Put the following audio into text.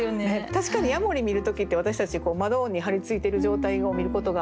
確かにヤモリ見る時って私たちこう窓に張りついてる状態を見ることが。